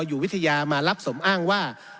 อยู่วิทยามารับสมอ้างว่า